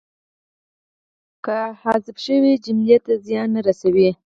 که حذف شي جملې ته څه زیان نه رسوي.